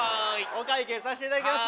お会計さしていただきます